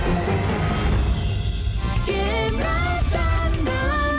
สวัสดีครับ